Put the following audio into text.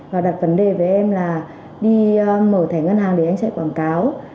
và đặt vấn đề với em là đi mở tài khoản ngân hàng để anh chạy quảng cáo